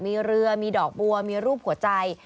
มีเรือมีดอกบัวมีรูปหัวใจ